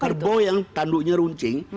kerbau yang tanduknya runcing